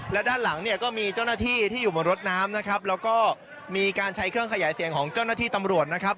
และด้านหลังเนี่ยก็มีเจ้าหน้าที่ที่อยู่บนรถน้ำนะครับแล้วก็มีการใช้เครื่องขยายเสียงของเจ้าหน้าที่ตำรวจนะครับ